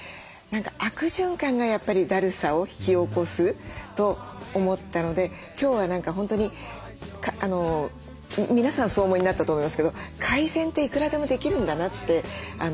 悪循環がやっぱりだるさを引き起こすと思ったので今日は本当に皆さんそうお思いになったと思いますけど改善っていくらでもできるんだなって思いました。